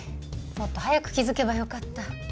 もっと早く気づけばよかった。